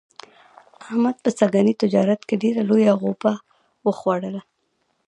احمد په سږني تجارت کې ډېره لویه غوپه و خوړله.